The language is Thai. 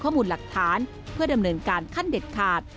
ข้อมูลหลักฐานเพื่อดำเนินการขั้นเด็ดขาด